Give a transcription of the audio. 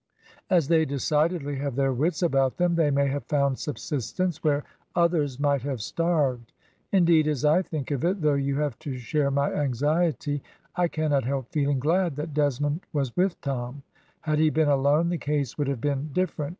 As they decidedly have their wits about them, they may have found subsistence where others might have starved. Indeed, as I think of it, though you have to share my anxiety, I cannot help feeling glad that Desmond was with Tom; had he been alone, the case would have been different.